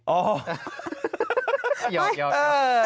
โอ้ยยยย